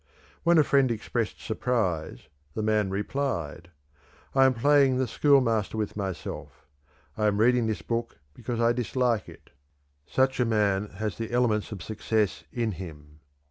When a friend expressed surprise, the man replied: 'I am playing the schoolmaster with myself. I am reading this because I dislike it.' Such a man has the elements of success in him.